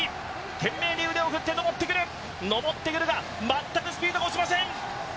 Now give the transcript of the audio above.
懸命に腕を振って上ってくるが、全くスピードが落ちません。